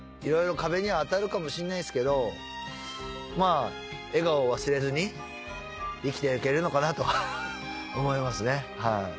いろいろ壁には当たるかもしれないですけど笑顔を忘れずに生きていけるのかなと思いますね。